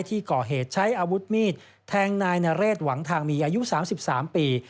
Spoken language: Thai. ที่ก่อเหตุใช้อาวุธมีดแทงนายนเรศหวังทางมีอายุ๓๓ปี